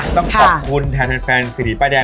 ต้องต้องต้องขอบคุณแทนแฟนเศรษฐีป้ายแดง